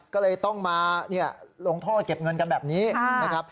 ก็เลยต้องมาลงท่อเก็บเงินกันแบบนี้นะครับ